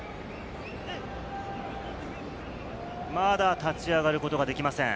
まだ立ち上がることができません。